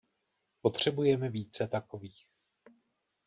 Potřebujeme více takových.